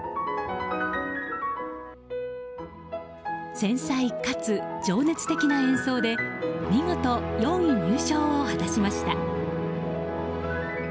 繊細かつ情熱的な演奏で見事、４位入賞を果たしました。